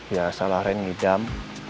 ya salah ren ngidam